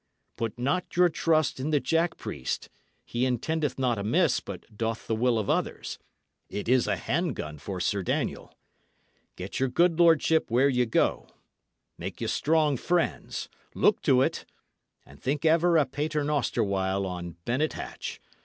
Put not your trust in the jack priest; he intendeth not amiss, but doth the will of others; it is a hand gun for Sir Daniel! Get your good lordship where ye go; make you strong friends; look to it. And think ever a pater noster while on Bennet Hatch.